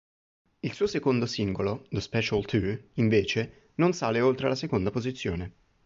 Il suo secondo singolo, "The Special Two", invece non sale oltre la seconda posizione.